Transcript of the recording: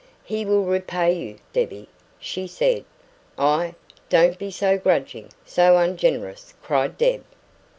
"He will repay you, Debbie," she said. "Ah, don't be so grudging so ungenerous!" cried Deb.